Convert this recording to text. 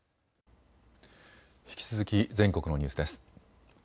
引き続き全国のニュースです。